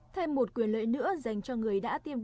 thêm một quyền lợi nữa dành cho người